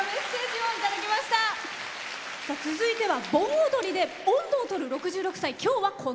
続いては盆踊りで音頭をとる６６歳。